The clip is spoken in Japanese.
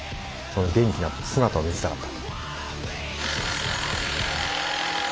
元気な姿を見せたかった。